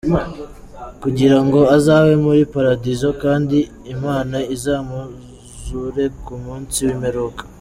Kugirango azabe muli Paradizo kandi imana izamuzure ku munsi w’imperuka.